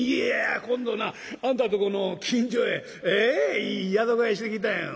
「今度なあんたんとこの近所へいい宿替えしてきたんや」。